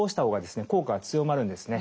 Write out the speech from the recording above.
効果が強まるんですね。